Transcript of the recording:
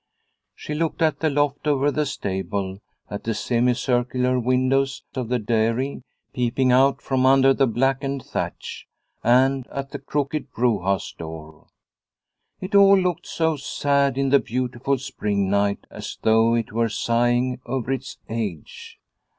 She looked at the loft over the stable, at the semicircular windows of the dairy peeping out from under the blackened thatch, and at the crooked brewhouse door. It all looked so sad in the beautiful spring night as though it were sighing over its age.